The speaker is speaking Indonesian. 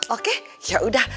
oke ya udah